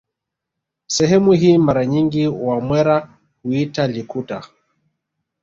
Sehemu hii mara nyingi wamwera huiita Likuta